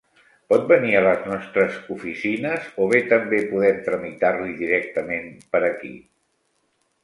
Pot venir a les nostres oficines o bé també podem tramitar-li directament per aquí.